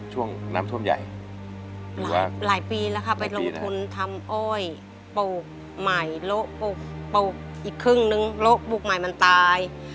หลายปีแล้วครับไปลงทุนทำอ้อยปลูกใหม่ละอีกครึ่งนึงละปลูกใหม่มันตาย